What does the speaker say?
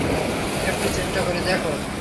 একটু চেষ্টা করে দেখো।